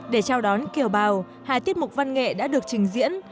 để chào đón kiều bào hai tiết mục văn nghệ đã được trình diễn